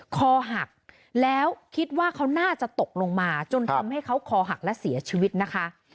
คอหักแล้วคิดว่าเขาน่าจะตกลงมาจนทำให้เขาคอหักและเสียชีวิตนะคะ